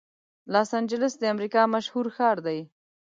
لاس انجلس د امریکا مشهور ښار دی.